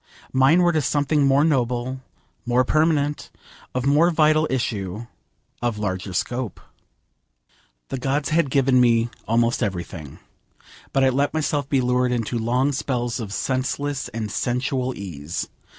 Mine were to something more noble, more permanent, of more vital issue, of larger scope. The gods had given me almost everything. But I let myself be lured into long spells of senseless and sensual ease.